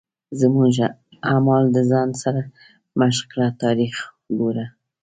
زموږ اعمال د ځان سرمشق کړه تاریخ ګوره.